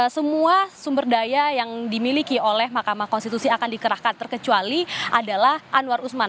semua sumber daya yang dimiliki oleh mahkamah konstitusi akan dikerahkan terkecuali adalah anwar usman